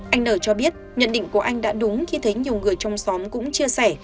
anh n cho biết nhận định của anh đã đúng khi thấy nhiều người trong xóm cũng chia sẻ